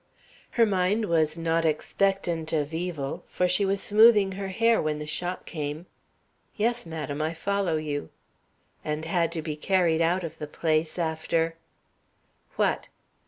"Her mind was not expectant of evil, for she was smoothing her hair when the shock came " "Yes, madam, I follow you." "And had to be carried out of the place after " "What?"